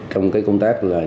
trong cái công tác là